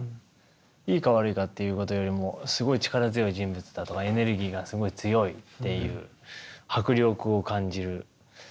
いいか悪いかっていうことよりもすごい力強い人物だとかエネルギーがすごい強いっていう迫力を感じる。